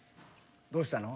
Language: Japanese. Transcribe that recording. どうしたの？